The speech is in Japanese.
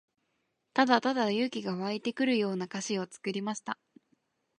ただただ勇気が湧いてくるような歌詞を作りました。